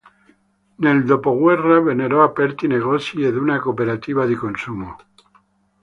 Nel dopoguerra vennero aperti negozi ed una cooperativa di consumo.